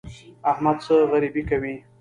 احمده! څه غريبي کوې؟